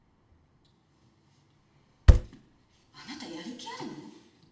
あなたやる気あるの？